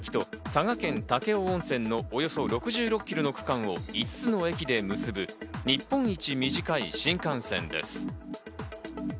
長崎と佐賀県武雄温泉のおよそ６６キロの区間を５つの駅で結ぶ日本一短い新幹線です。